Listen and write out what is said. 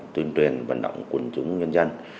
tuyên truyền vận động quân chúng nhân dân